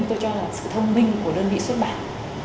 tôi cho là sự thông minh của đơn vị xuất bản